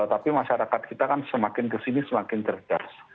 tapi masyarakat kita kan semakin kesini semakin cerdas